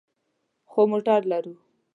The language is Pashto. خو موټر لرو